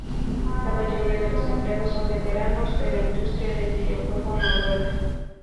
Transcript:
La mayoría de los empleados son veteranos de la industria del videojuego noruega.